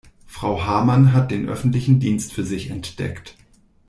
Frau Hamann hat den öffentlichen Dienst für sich entdeckt.